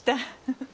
フフ。